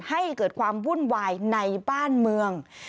ให้เกิดความวุ่นวายในบ้านเมือง